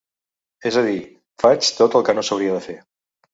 És a dir, faig tot el que no s’hauria de fer.